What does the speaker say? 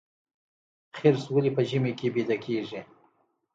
خرس ولې په ژمي کې ویده کیږي؟